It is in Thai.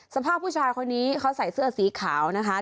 สภาพผู้ชายคนนี้เขาใส่เสื้อสีขาวนะคะ